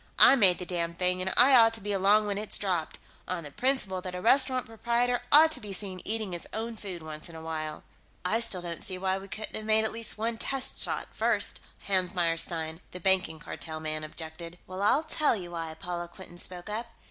"I made the damned thing, and I ought to be along when it's dropped, on the principle that a restaurant proprietor ought to be seen eating his own food once in a while." "I still don't see why we couldn't have made at least one test shot, first," Hans Meyerstein, the Banking Cartel man, objected. "Well, I'll tell you why," Paula Quinton spoke up.